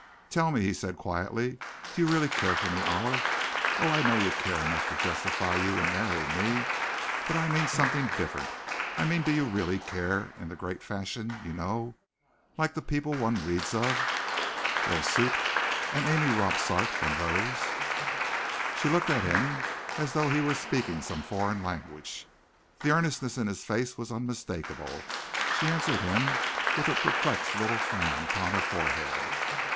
"Tell me," he said quietly, "do you really care for me, Olive? Oh! I know you care enough to justify you in marrying me, but I mean something different. I mean do you really care in the great fashion, you know, like the people one reads of, like Iseult, and Amy Robsart, and those others?" She looked at him as though he were speaking some foreign language. The earnestness in his face was unmistakable. She answered him with a perplexed little frown upon her forehead.